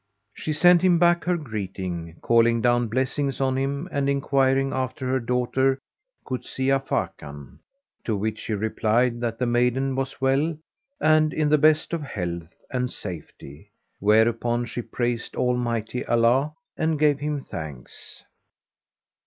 She sent him back her greeting, calling down blessings on him and enquiring after her daughter Kuzia Fakan, to which he replied that the maiden was well and in the best of health and safety. whereupon she praised Almighty Allah and gave him thanks.